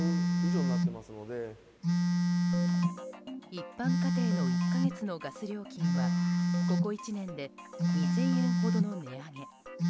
一般家庭のガス料金はここ１年で２０００円ほどの値上げ。